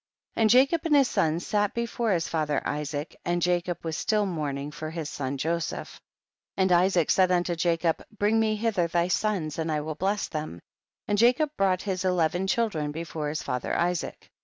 3. And Jacob and his sons sat be fore his father Isaac, and Jacob was still mourning for his son Joseph. 4. And Isaac said unto Jacob, bring me hither thy sons and I will bless them ; and Jacob brought his eleven children before his father Isaac.